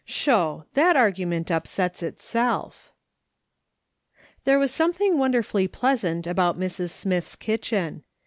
''SHO! THAT ARGUMENT UPSETS ITSELF P' There was something wonderfully pleasant about Mrs. Smith's kitchen.